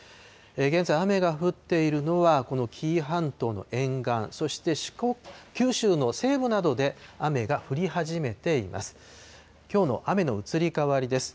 現在、雨が降っているのはこの紀伊半島の沿岸、そして、九州の西部などで雨が降り始めています。